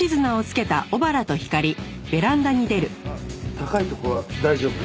高い所は大丈夫？